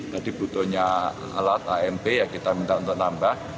tadi butuhnya alat amp yang kita minta untuk nambah